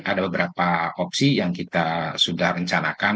ada beberapa opsi yang kita sudah rencanakan